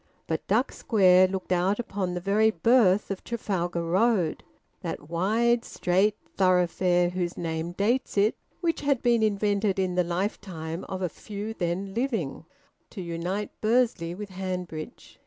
But Duck Square looked out upon the very birth of Trafalgar Road, that wide, straight thoroughfare, whose name dates it, which had been invented, in the lifetime of a few then living, to unite Bursley with Hanbridge.